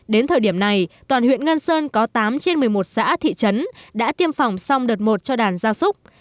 đến thời điểm này toàn huyện ngân sơn có tám trên một mươi một xã thị trấn đã tiêm phòng xong đợt một cho đàn gia súc